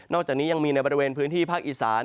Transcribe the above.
จากนี้ยังมีในบริเวณพื้นที่ภาคอีสาน